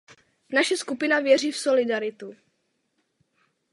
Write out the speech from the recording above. Naše skupina věří v solidaritu.